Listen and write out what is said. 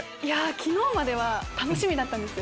昨日までは楽しみだったんですよ